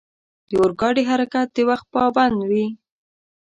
د اورګاډي حرکت د وخت پابند وي.